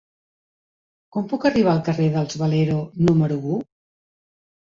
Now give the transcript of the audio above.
Com puc arribar al carrer dels Valero número u?